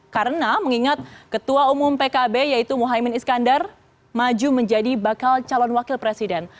karena mengingat ketua umum pkb yaitu muhammad iskandar maju menjadi bakal calon wakil presiden